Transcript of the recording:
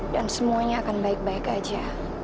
dan semuanya akan baik baik aja